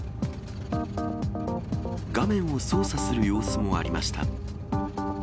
画面を操作する様子もありました。